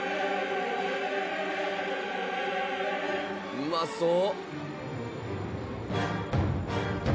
うまそう！